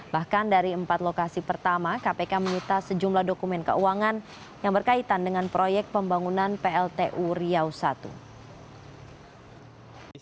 bahkan dari empat lokasi pertama kpk menyita sejumlah dokumen keuangan yang berkaitan dengan proyek pembangunan pltu riau i